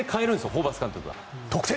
ホーバス監督は。